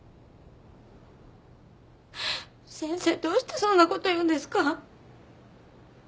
先生どうしてそんなこと言うんですか？